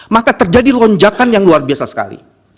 maka terjadi lonjakan yang luar biasa sekali